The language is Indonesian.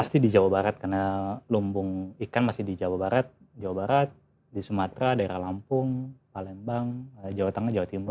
pasti di jawa barat karena lumbung ikan masih di jawa barat jawa barat di sumatera daerah lampung palembang jawa tengah jawa timur